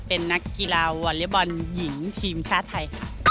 เป็นนักกีฬาวอเล็กบอลหญิงทีมชาติไทยค่ะ